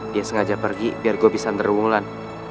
dia sengaja pergi biar gue bisa nerumulan